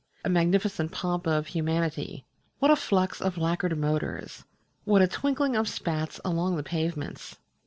A magnificent pomp of humanity what a flux of lacquered motors, what a twinkling of spats along the pavements!